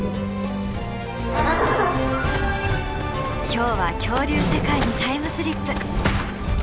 今日は恐竜世界にタイムスリップ。